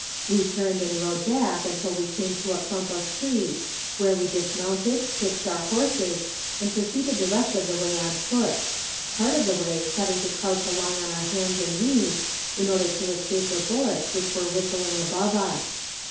We turned and rode back until we came to a clump of trees, where we dismounted, hitched our horses, and proceeded the rest of the way on foot part of the way having to crouch along on our hands and knees, in order to escape the bullets which were whistling above us.